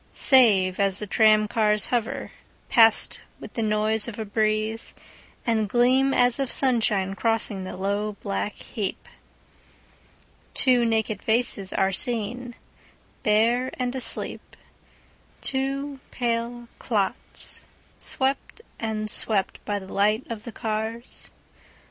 Save, as the tram cars hoverPast with the noise of a breezeAnd gleam as of sunshine crossing the low black heap, Two naked faces are seenBare and asleep, Two pale clots swept and swept by the light of the cars.